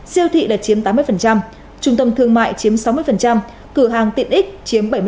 siêu thị đã chiếm tám mươi trung tâm thương mại chiếm sáu mươi cửa hàng tiện ích chiếm bảy mươi